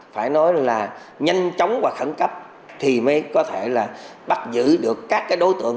phải nói là nhanh chóng và khẩn cấp thì mới có thể là bắt giữ được các đối tượng